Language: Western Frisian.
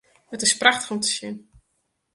It is prachtich om te sjen.